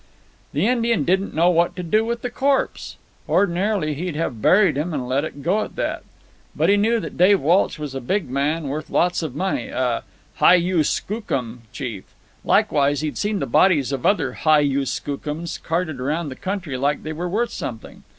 "The Indian didn't know what to do with the corpse. Ordinarily he'd have buried him and let it go at that. But he knew that Dave Walsh was a big man, worth lots of money, a hi yu skookum chief. Likewise he'd seen the bodies of other hi yu skookums carted around the country like they were worth something.